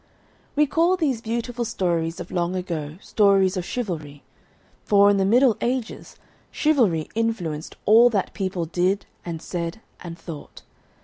We call these beautiful stories of long ago Stories of Chivalry, for, in the Middle Ages, chivalry influenced all that people did and said and thought.